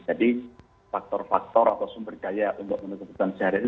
jadi faktor faktor atau sumber daya untuk menutupkan seharian ini